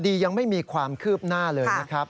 ยังไม่มีความคืบหน้าเลยนะครับ